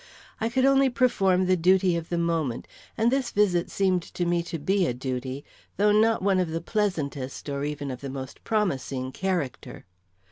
I could only perform the duty of the moment, and this visit seemed to me to be a duty, though not one of the pleasantest or even of the most promising character.